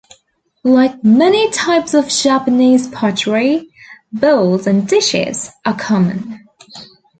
Like many types of Japanese pottery, bowls and dishes are common.